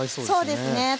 そうですね。